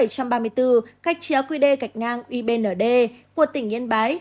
cách chia quy đê cạch ngang ubnd của tỉnh yên bái